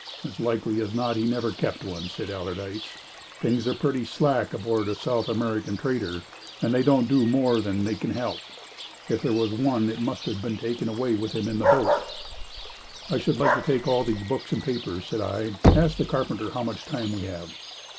"As likely as not he never kept one," said Allardyce. "Things are pretty slack aboard a South American trader, and they don't do more than they can help. If there was one it must have been taken away with him in the boat." "I should like to take all these books and papers," said I. "Ask the carpenter how much time we have."